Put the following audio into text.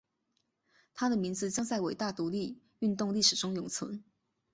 他的名字将在伟大独立运动历史中永存。